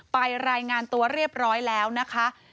รายงานตัวเรียบร้อยแล้วนะคะ